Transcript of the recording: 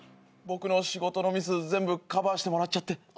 僕の仕事のミス全部カバーしてもらっちゃって。